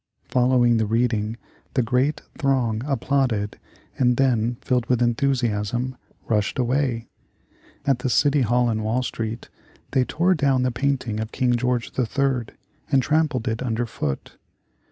Following the reading the great throng applauded and then, filled with enthusiasm, rushed away. At the City Hall in Wall Street they tore down the painting of King George III. and trampled it under foot.